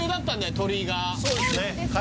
鳥居がそうですね